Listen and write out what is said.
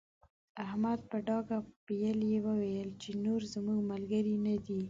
احمد په ډانګ پېيلې وويل چې نور زموږ ملګری نه دی.